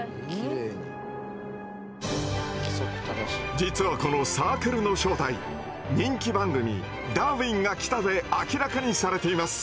実はこのサークルの正体人気番組「ダーウィンが来た！」で明らかにされています。